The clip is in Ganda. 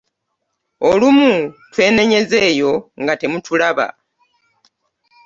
Olumu twenenyeza eyo nga temutulaba.